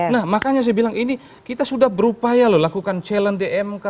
nah makanya saya bilang ini kita sudah berupaya loh lakukan challenge di mk